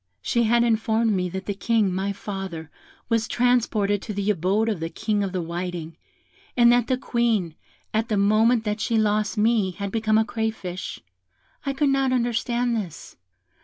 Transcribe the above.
"She had informed me that the King, my father, was transported to the abode of the King of the Whiting; and that the Queen, at the moment that she lost me, had become a crayfish. I could not understand this.